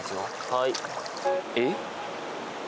はいえっ？